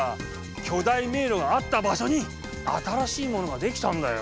巨大迷路があった場所に新しいものが出来たんだよ！